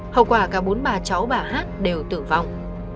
hậu quả cả bốn bà cháu bà hát đều tử vong